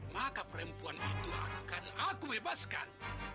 maka perempuan itu akan aku bebaskan